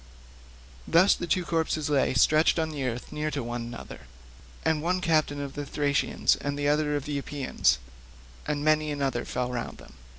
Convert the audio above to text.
Thus the two corpses lay stretched on earth near to one another, the one captain of the Thracians and the other of the Epeans; and many another fell round them.